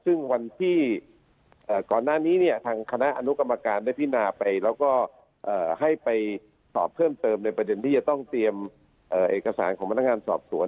ซึ่งวันที่ก่อนหน้านี้เนี่ยทางคณะอนุกรรมการได้พินาไปแล้วก็ให้ไปสอบเพิ่มเติมในประเด็นที่จะต้องเตรียมเอกสารของพนักงานสอบสวน